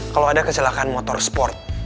kalau ada kecelakaan motor sport